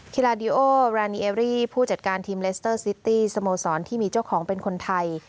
กีฬาดีโอรานีเอรี่ผู้จัดการทีมเลสเตอร์ซิตี้สโมสรที่มีเจ้าของเป็นคนไทย